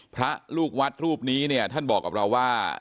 พระลูกวัดรูปนี้เนี่ยท่านบอกกับเราว่า